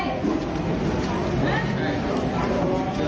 สวัสดีครับคุณผู้ชาย